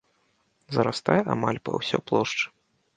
Зарастае амаль па ўсё плошчы.